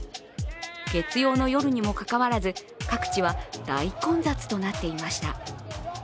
月曜の夜にもかかわらず、各地は大混雑になっていました。